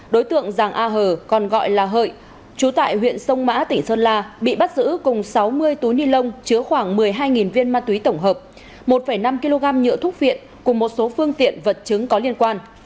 đối tượng giàng a hờ còn gọi là hợi chú tại huyện sông mã tỉnh sơn la bị bắt giữ cùng sáu mươi túi ni lông chứa khoảng một mươi hai viên ma túy tổng hợp một năm kg nhựa thuốc viện cùng một số phương tiện vật chứng có liên quan